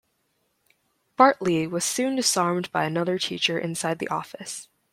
Bartley was soon disarmed by another teacher inside the office.